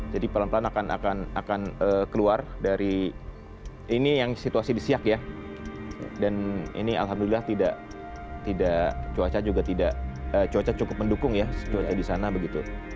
jadi pelan pelan akan keluar dari ini yang situasi disiak ya dan ini alhamdulillah tidak cuaca juga tidak cuaca cukup mendukung ya cuaca disana begitu